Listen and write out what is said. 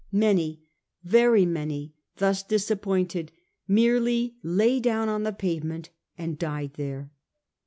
Many, very many, thus disappointed, merely lay down on the pavement and died there.